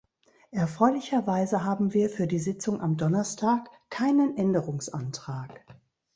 Erfreulicherweise haben wir für die Sitzung am Donnerstag keinen Änderungsantrag.